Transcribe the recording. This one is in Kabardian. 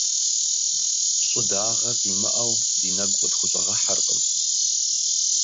Щӏыдагъэр димыӏэу ди нэгу къытхущӏэгъэхьэркъым.